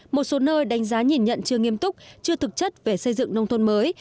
một số nơi đánh giá nhìn nhận chưa nghiêm túc chưa thực chất về xây dựng nông thôn mới